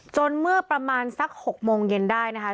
เมื่อประมาณสัก๖โมงเย็นได้นะคะ